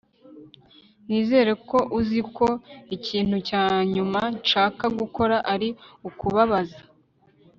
nizere ko uzi ko ikintu cya nyuma nshaka gukora ari ukubabaza